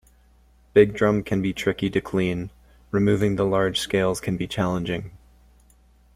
Big drum can be tricky to clean; removing the large scales can be challenging.